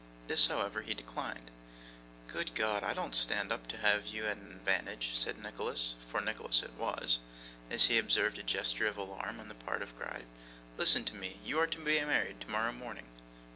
This, however, he declined. 'Good God! I don't stand up to have you at an advantage,' said Nicholas (for Nicholas it was), as he observed a gesture of alarm on the part of Gride. 'Listen to me. You are to be married tomorrow morning.